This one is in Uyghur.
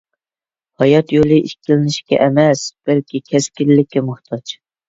ھايات يولى ئىككىلىنىشكە ئەمەس، بەلكى كەسكىنلىككە موھتاج!